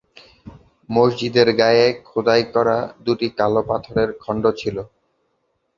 মসজিদের গায়ে খোদাই করা দুটি কালো পাথরের খণ্ড ছিল।